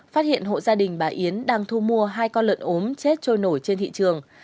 phát hiện hộ gia đình bà yến đang thu mua hai con lợn ốm chết trôi nổi trên thị trường